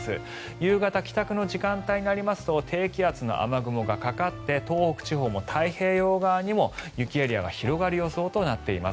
夕方、帰宅の時間帯は低気圧の雨雲がかかって東北地方、太平洋側にも雪エリアが広がる予想となっています。